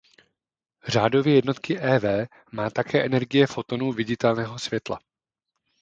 Řádově jednotky eV má také energie fotonů viditelného světla.